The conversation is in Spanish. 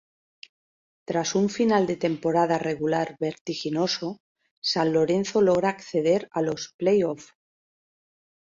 Tras un final de temporada regular vertiginoso, San Lorenzo logra acceder a los playoffs.